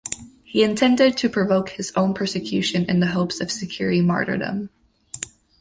He intended to provoke his own persecution in the hopes of securing martyrdom.